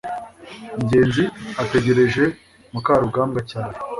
ngenzi ategereje mukarugambwa cyane